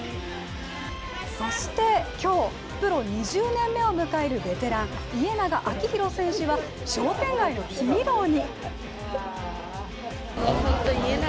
そして今日、プロ２０年目を迎えるベテラン、家長昭博選手は商店街のヒーローに。